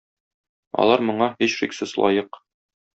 Алар моңа, һичшиксез, лаек.